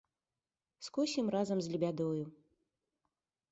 Скосім разам з лебядою.